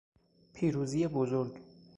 پیروزی بزرگ